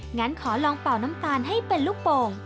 งั้นขอลองเป่าน้ำตาลให้เป็นลูกโป่ง